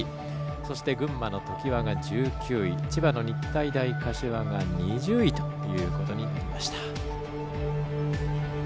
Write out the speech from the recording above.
そして、群馬の常磐が１９位千葉の日体大柏が２０位ということになりました。